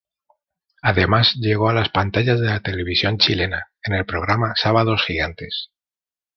Además llegó a las pantallas de la televisión chilena, en el programa "Sábados Gigantes".